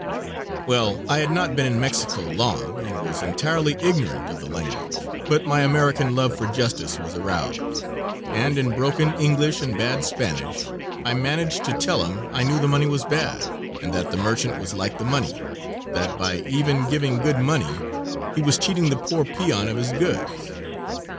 Well, I had not been in Mexico long, and was entirely ignorant of the language, but my American love for justice was aroused, and in broken English and bad Spanish I managed to tell him I knew the money was bad, and that the merchant was like the money that by even giving good money he was cheating the poor peon of his goods.